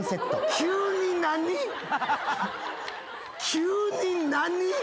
急に何！？